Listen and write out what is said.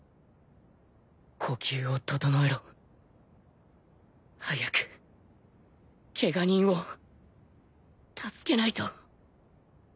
呼吸を整えろ早くケガ人を助けないと